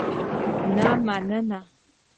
نه مننه.